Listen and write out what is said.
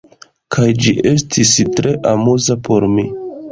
Kaj ĝi estis tre amuza por mi.